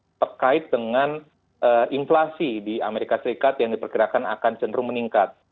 memang dipengaruhi oleh ekspektasi dari pelaku pasar global terkait dengan inflasi di amerika serikat yang diperkirakan akan jenuruh meningkat